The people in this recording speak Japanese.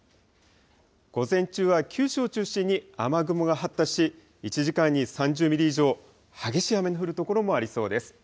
午前中は九州を中心に雨雲が発達し、１時間に３０ミリ以上、激しい雨の降る所もありそうです。